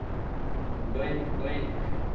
ডয়েঙ্ক, ডয়েঙ্ক!